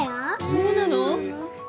そうなの？